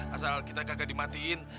asal kita kagak dimatiin